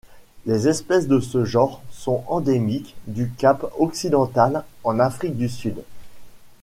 Les espèces de ce genre sont endémiques du Cap-Occidental en Afrique du Sud.